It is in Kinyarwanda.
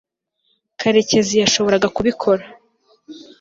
karekezi yashoboraga kubikora